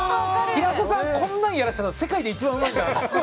平子さん、こんなのやらせたら世界で一番うまいからな。